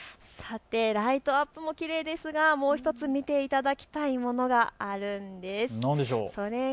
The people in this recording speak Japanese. ライトアップもきれいですがもう１つ見ていただきたいものがあるんです。